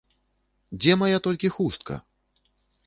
Дзе мая толькі хустка?